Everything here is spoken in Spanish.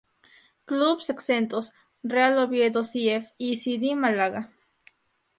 Clubes exentos: Real Oviedo C. F. y C. D. Málaga.